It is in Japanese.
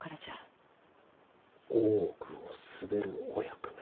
大奥を統べるお役目。